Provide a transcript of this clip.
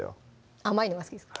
甘いのが好きですか？